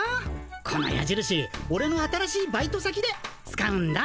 このやじるしオレの新しいバイト先で使うんだ。